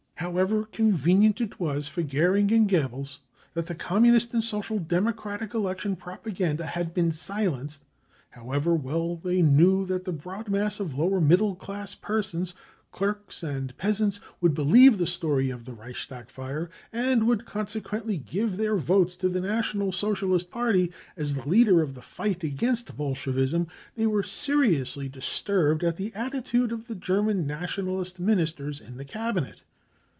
" However convenient it was for Goering and Goebbels that th # e Communist and Social Democratic election propaganda had been silenced, however well they knew that the broad mass of lower middle class persons, clerks and peasants would believe the story of the Reichstag fire and would consequently give their votes to the National Socialist Party as the leader of the fight against Bolshevism, they were seriously fiisturbed at the attitude of the German Nationalist Ministers in the Cabinet.